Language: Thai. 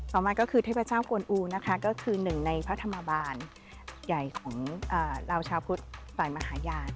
ต่อมาก็คือเทพเจ้ากวนอูนะคะก็คือหนึ่งในพระธรรมบาลใหญ่ของเราชาวพุทธฝ่ายมหาญาณ